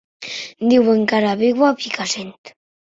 Diuen que ara viu a Picassent.